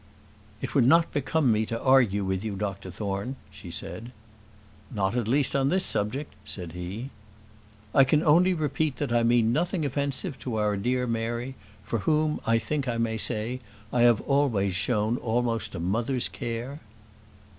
"It would not become me to argue with you, Dr Thorne," she said. "Not at least on this subject," said he. "I can only repeat that I mean nothing offensive to our dear Mary; for whom, I think I may say, I have always shown almost a mother's care."